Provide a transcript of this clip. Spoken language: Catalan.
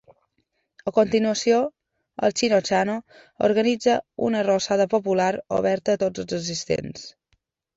A continuació, el Xino-xano organitza una arrossada popular oberta a tots els assistents.